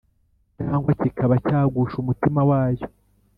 cyangwa kikaba cyagusha umutima wayo.